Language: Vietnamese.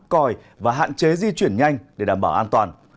còi và hạn chế di chuyển nhanh để đảm bảo an toàn